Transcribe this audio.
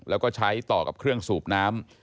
แล้วก็ใช้ต่อกับเครื่องสูบน้ำ